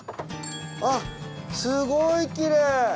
あっすごいきれい！